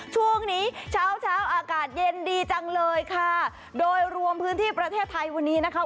ช่วงนี้เช้าเช้าอากาศเย็นดีจังเลยค่ะโดยรวมพื้นที่ประเทศไทยวันนี้นะคะ